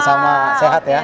sama sama sehat ya